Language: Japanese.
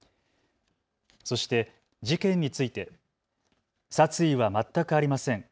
そして事件について殺意は全くありません。